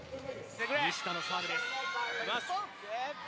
西田のサーブです。